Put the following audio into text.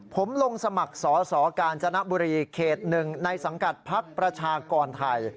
ผมลงสมัครสอสอกาญจนบุรีเขต๑ในสังกัดพักประชากรไทย